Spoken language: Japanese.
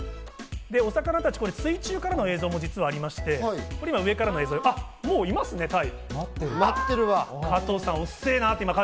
お魚たち水中からの映像も実はありまして、もういますね、タイ。